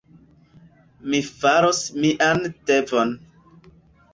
Mi faros mian devon.